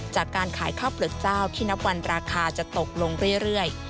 จากการขายข้าวเปลือกเจ้าที่นับวันราคาจะตกลงเรื่อย